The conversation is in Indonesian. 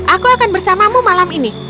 aku akan bersamamu malam ini